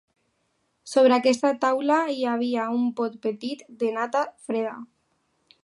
Sobre aquesta taula hi havia un pot petit de nata freda.